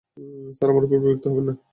Sir, আমার উপর বিরক্ত হবেন না।